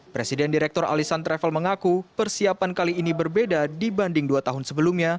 presiden direktur alisan travel mengaku persiapan kali ini berbeda dibanding dua tahun sebelumnya